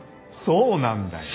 そうなんだよ。